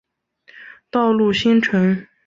道路新城。